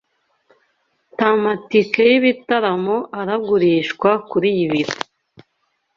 ] [T] Amatike y'ibitaramo aragurishwa kuriyi biro.